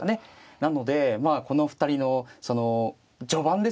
なのでまあこのお二人のその序盤ですね。